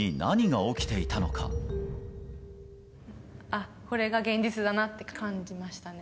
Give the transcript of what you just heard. あっ、これが現実だなって感じましたね。